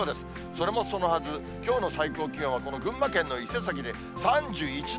それもそのはず、きょうの最高気温はこの群馬県の伊勢崎で３１度。